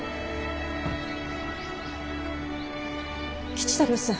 吉太郎さん